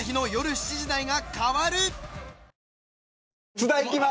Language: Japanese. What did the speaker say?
津田いきます。